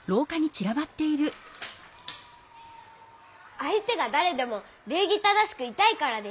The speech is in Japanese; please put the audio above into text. あいてがだれでも礼儀正しくいたいからです。